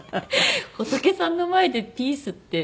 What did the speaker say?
仏さんの前でピースって。